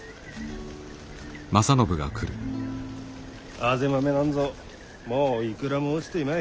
あぜ豆なんぞもういくらも落ちていまい。